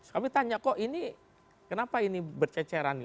kami tanya kok ini kenapa ini berceceran